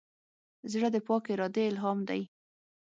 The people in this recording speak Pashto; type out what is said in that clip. زړه د پاک ارادې الهام دی.